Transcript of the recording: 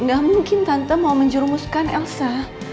gak mungkin tante mau menjurumuskan elsa